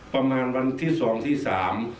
ประมาณวันที่สองที่สาม